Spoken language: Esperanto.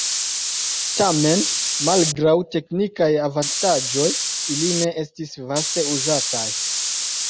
Tamen malgraŭ teknikaj avantaĝoj ili ne estis vaste uzataj.